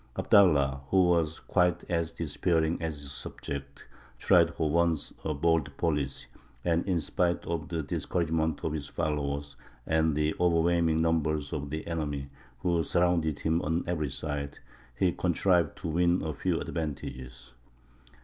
Abdallah, who was quite as despairing as his subjects, tried for once a bold policy, and in spite of the discouragement of his followers, and, the overwhelming numbers of the enemy who surrounded him on every side, he contrived to win a few advantages.